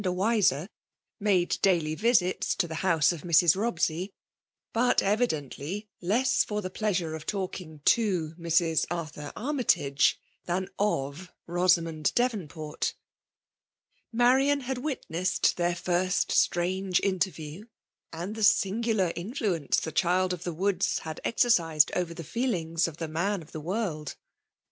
145 a wiser, made daily visits to the house of Mrs. Bobsey ; but, evidently, less for the pleasure of talking to Mrs. Arthur Armytage than of Bosamond Dcvonport Marian had witnessed their first, strange interview, and the singular influence the child of the woods had exercised over the feelings of the man of the world.